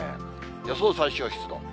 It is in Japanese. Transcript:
予想最小湿度。